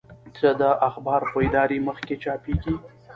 چې د اخبار په اداري مخ کې چاپېږي.